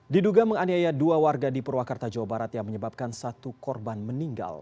diduga menganiaya dua warga di purwakarta jawa barat yang menyebabkan satu korban meninggal